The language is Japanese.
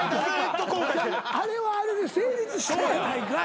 あれはあれで成立したやないかい。